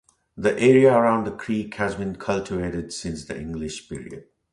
The area around the creek has been cultivated since the English period.